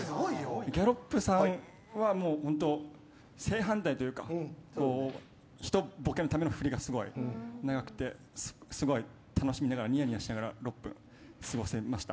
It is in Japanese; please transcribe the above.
ギャロップさんは正反対というかひとボケのための振りがすごい長くてすごい楽しみながらにやにやしながら６分過ごせました。